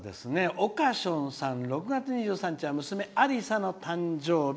おかしょうさん「６月２３日は娘ありさの誕生日。